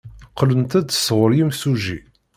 Qqlent-d sɣur yimsujji.